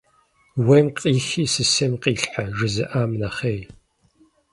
«Ууейм къихи сысейм къилъхьэ» - жызыӀам нэхъей.